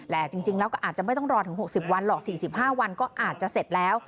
และจริงแล้วก็อาจจะไม่ต้องรอถึงหกสิบวันหรอกสี่สิบห้าวันก็อาจจะเสร็จแล้ว